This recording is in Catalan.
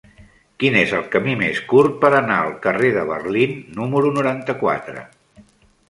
Quin és el camí més curt per anar al carrer de Berlín número noranta-quatre?